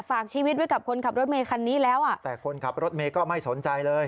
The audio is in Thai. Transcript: ฝากชีวิตไว้กับคนขับรถเมย์คันนี้แล้วอ่ะแต่คนขับรถเมย์ก็ไม่สนใจเลย